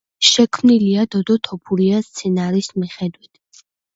შექმნილია დოდო თოფურიას სცენარის მიხედვით.